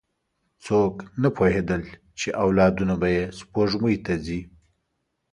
څوک نه پوهېدل، چې اولادونه به یې سپوږمۍ ته ځي.